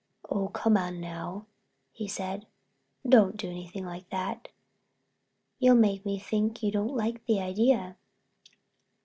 "Oh, come now," he said, "don't do anything like that. You'll make me think you don't like the idea."